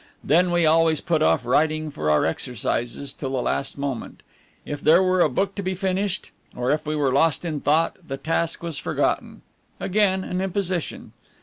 Then we always put off writing our exercises till the last moment; if there were a book to be finished, or if we were lost in thought, the task was forgotten again an imposition.